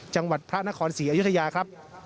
จังหวัดพระนครศรีอยุธยาครับ